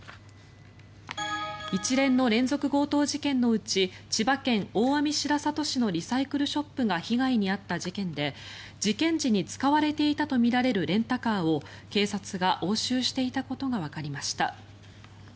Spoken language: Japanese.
一連の連続強盗事件のうち千葉県大網白里市のリサイクルショップが被害に遭った事件で事件時に使われていたとみられるレンタカーを警察が押収していたことがわかりました。